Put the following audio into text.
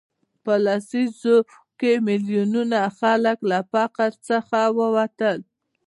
په لسیزو کې میلیونونه خلک له فقر څخه ووتل.